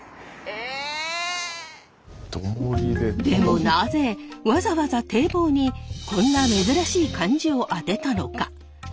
でもなぜわざわざ堤防にこんな珍しい漢字を当てたのか？